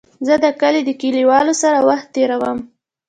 زه د کلي د کليوالو سره وخت تېرووم.